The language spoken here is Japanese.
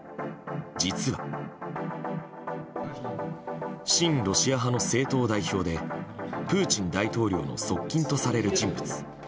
実は、親ロシア派の政党代表でプーチン大統領の側近とされる人物。